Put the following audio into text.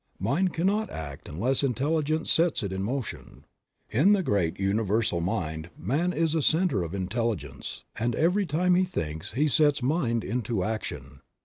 Mind cannot act unless intelligence sets it in motion. In the great universal mind man is a center of intelligence, and every time he thinks he sets mind into action.